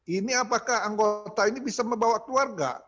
ini apakah anggota ini bisa membawa keluarga